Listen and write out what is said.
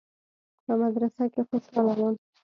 په مدرسه کښې خوشاله وم.